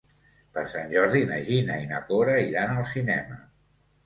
Per Sant Jordi na Gina i na Cora iran al cinema.